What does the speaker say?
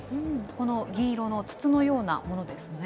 この銀色の筒のようなものですね。